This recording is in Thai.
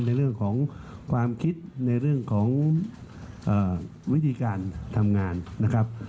ในเรื่องของความคิดในเรื่องของวิธีการทำงานนะครับ